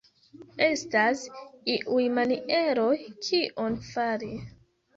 Estas iuj manieroj kion fari.